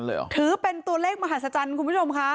เหรอถือเป็นตัวเลขมหัศจรรย์คุณผู้ชมค่ะ